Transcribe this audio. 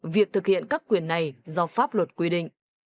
việc thực hiện các quyền này do pháp luật quy định